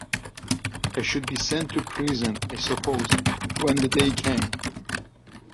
I should be sent to prison, I suppose, when the day came.